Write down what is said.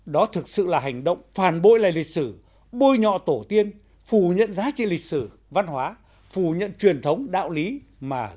đó thực sự là hành động phản bội lại lịch sử bôi nhọ tổ tiên phù nhận giá trị lịch sử văn hóa phù nhận truyền thống đạo lý mà dân tộc ta